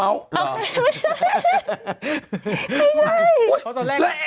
ไม่ใช่